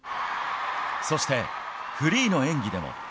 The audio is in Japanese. そして、フリーの演技でも。